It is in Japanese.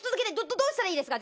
どうしたらいいですか？